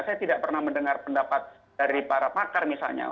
saya tidak pernah mendengar pendapat dari para pakar misalnya